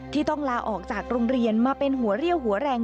ที่ต้องลาออกจากโรงเรียนมาเป็นหัวเรี่ยวหัวแรง